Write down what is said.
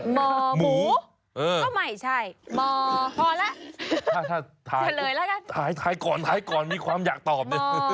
มอหมูพอแล้วถ้าถ่ายก่อนมีความอยากตอบ